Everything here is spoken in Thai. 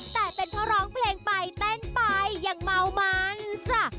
แต่เป็นเพราะร้องเพลงไปเต้นไปอย่างเมามันจ้ะ